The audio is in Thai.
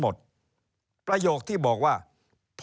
เริ่มตั้งแต่หาเสียงสมัครลง